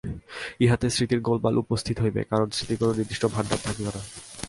ইহাতে স্মৃতিরও গোলমাল উপস্থিত হইবে, কারণ স্মৃতির কোন নির্দিষ্ট ভাণ্ডার থাকিবে না।